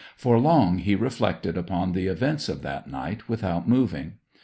For long he reflected upon the events of that night, without moving.